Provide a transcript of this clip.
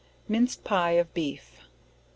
Minced Pie of Beef.